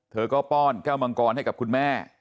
เธอก็ป้อนแก้วมังกรให้กับคุณแม่